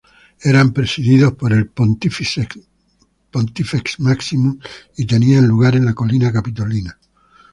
Eran presididos por el "Pontifex Maximus" y tenían lugar en la Colina Capitolina.